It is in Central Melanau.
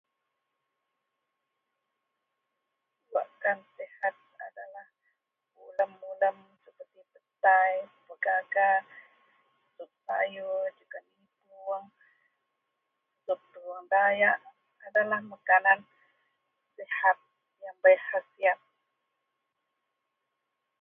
Bak kan sehat adalah ulem-ulem, petai, pegagak, sayur, terong, terong dayak adalah makanan sehat iyen bei hasiat.